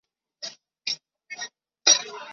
金世宗乃诏命建桥。